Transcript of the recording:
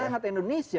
dan itu sangat indonesia